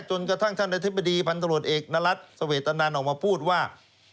จนกระทั่งท่านอธิบดีพันธบรวจเอกนรัฐเสวตนันออกมาพูดว่า